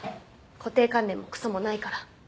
固定観念もくそもないから。